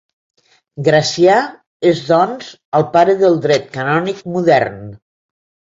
Gracià és doncs el pare del dret canònic modern.